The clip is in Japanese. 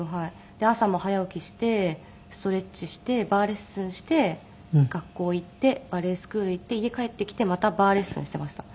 で朝も早起きしてストレッチしてバーレッスンして学校行ってバレエスクール行って家帰ってきてまたバーレッスンしていました。